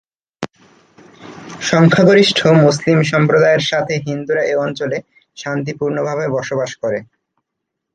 সংখ্যাগরিষ্ঠ মুসলিম সম্প্রদায়ের সাথে হিন্দুরা এ অঞ্চলে শান্তিপূর্ণভাবে বসবাস করে।